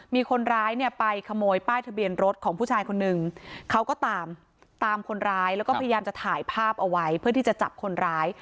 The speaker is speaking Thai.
มีคนร้ายเนี่ยไปขโมยป้ายทะเบียนรถของผู้ชายคนนึงเขาก็ตามตามคนร้ายแล้วก็พยายามจะถ่ายภาพเอาไว้เพื่อที่จะจับคนร้าย